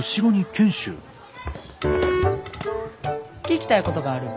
聞きたいことがある。